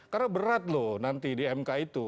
karena berat loh nanti di mk itu